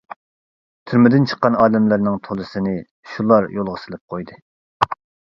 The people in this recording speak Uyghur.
تۈرمىدىن چىققان ئادەملەرنىڭ تولىسىنى شۇلار يولغا سېلىپ قويدى.